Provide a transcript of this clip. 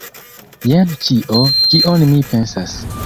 Jen ĉio, kion mi pensas.